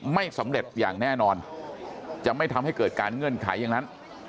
ไม่สำเร็จอย่างแน่นอนจะไม่ทำให้เกิดการเงื่อนไขอย่างนั้น